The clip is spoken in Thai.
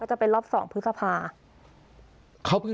จะเป็นรอบ๒พฤษภา